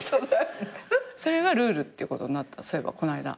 それがルールってことになったそういえばこの間。